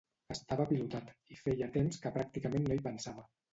Estava apilotat, i feia temps que pràcticament no hi pensava.